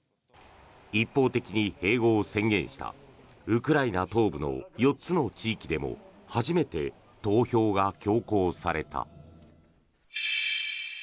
一方的に併合を宣言したウクライナ東部の４つの地域でも初めて投票が強行された。